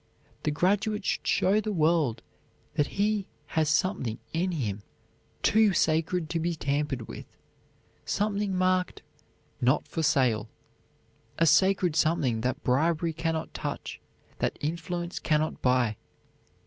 The graduate should show the world that he has something in him too sacred to be tampered with, something marked "not for sale," a sacred something that bribery cannot touch, that influence cannot buy.